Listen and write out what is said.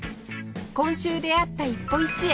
今週出会った一歩一会